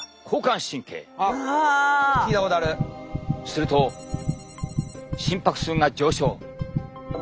すると心拍数が上昇。